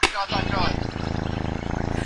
مشران به تل د هيواد د ابادۍ لپاره دعاګانې کوي.